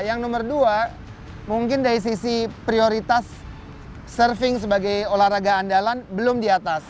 yang nomor dua mungkin dari sisi prioritas surfing sebagai olahraga andalan belum di atas